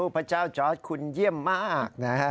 พระเจ้าจอร์ดคุณเยี่ยมมากนะฮะ